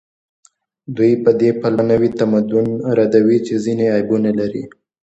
دوی په دې پلمه نوي تمدن ردوي چې ځینې عیبونه لري